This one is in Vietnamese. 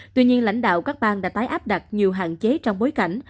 tuy nhiên lãnh đạo các bang đã tái áp đặt nhiều hạn chế trong bối cảnh